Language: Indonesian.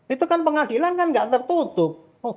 itu kan pengadilan enggak tertutup